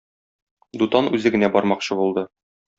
Дутан үзе генә бармакчы булды.